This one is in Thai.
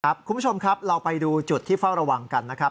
คุณผู้ชมครับเราไปดูจุดที่เฝ้าระวังกันนะครับ